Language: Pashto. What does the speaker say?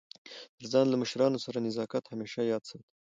تر ځان له مشرانو سره نزاکت همېشه یاد ساته!